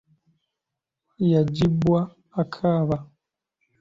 Yaggibwa akaba.